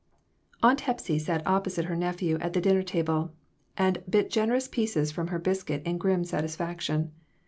AUNT Hepsy sat opposite her nephew at the dinner table, and bit generous pieces from her biscuit in grim satisfaction.